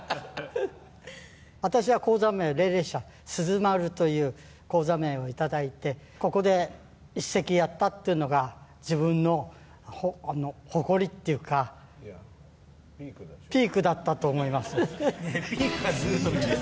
私は高座名、鈴々舎鈴丸という高座名を頂いて、ここで一席やったっていうのが、自分の誇りっていうか、ピークだったと思います。